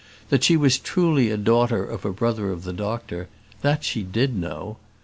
That she was truly a daughter of a brother of the doctor, that she did know.